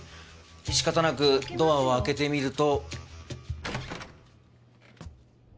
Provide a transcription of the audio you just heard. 仕方なくドアを開けてみると。